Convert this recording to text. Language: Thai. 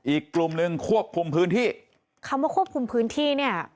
อีกกลุ่มหนึ่งควบคุมพื้นที่คำว่าควบคุมพื้นที่เนี่ย